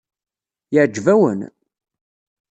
Yeɛjeb-awen?